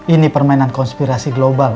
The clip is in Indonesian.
ini permainan konspirasi global